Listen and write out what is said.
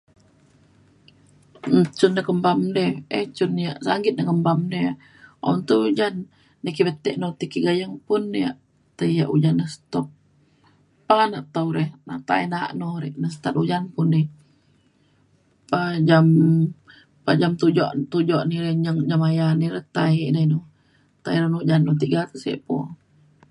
Cen da kembam de e- cun yak sanggit de nembam de un te ujan na ki betek na ki ti gayeng un yak te yak ujan na stop pana tau re na tai na’a no re na start ujan pun di. Pa jam pa jam tujek tujek ni re nem nem aya ni re tai de nu tai re ujan tiga ku sik po